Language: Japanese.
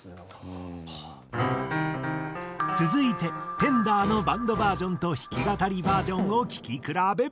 続いてＴＥＮＤＲＥのバンドバージョンと弾き語りバージョンを聴き比べ。